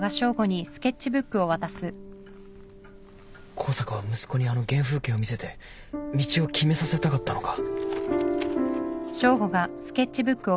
向坂は息子にあの原風景を見せて道を決めさせたかったのか？